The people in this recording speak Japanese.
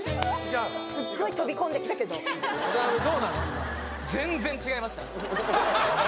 すっごい飛び込んできたけど渡辺どうなの？